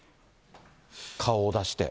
顔を出して。